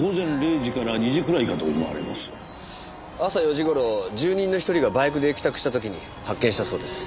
朝４時頃住人の一人がバイクで帰宅した時に発見したそうです。